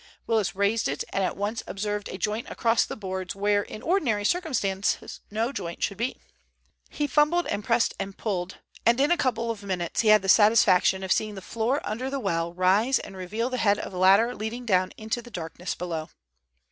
Willis raised it, and at once observed a joint across the boards where in ordinary circumstances no joint should be. He fumbled and pressed and pulled, and in a couple of minutes he had the satisfaction of seeing the floor under the well rise and reveal the head of a ladder leading down into the darkness below.